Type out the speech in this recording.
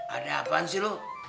ada apaan sih lu